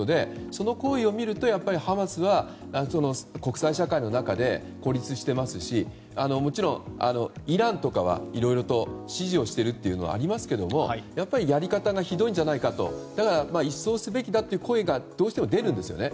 その行為を見るとハマスは国際社会の中で孤立してますしもちろんイランとかはいろいろと支持をしているというのは、ありますけれどもやり方がひどいんじゃないか一掃すべきだという声がどうしても出るんですね。